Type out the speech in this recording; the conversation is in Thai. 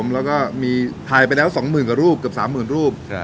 แล้วก็มีถ่ายไปแล้ว๒๐๐๐กว่ารูปเกือบ๓๐๐๐รูป